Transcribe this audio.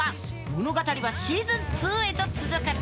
物語はシーズン２へと続く。